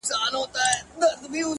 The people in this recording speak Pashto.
• او شعري ارزښت به یې دونه کم وي ,